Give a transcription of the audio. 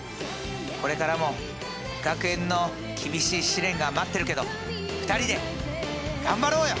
これからも学園の厳しい試練が待ってるけど２人で頑張ろうよ！